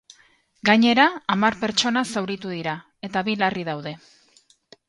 Gainera, hamar pertsona zauritu dira, eta bi larri daude.